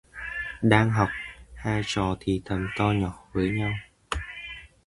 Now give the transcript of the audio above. Đang học, hai trò thì thầm to nhỏ với nhau